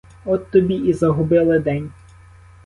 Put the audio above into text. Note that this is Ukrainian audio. От тобі і загубили день!